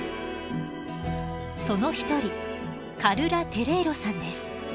その一人カルラテレーロさんです。